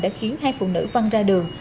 đã khiến hai phụ nữ văng ra đường